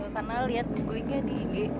karena lihat wangnya dingin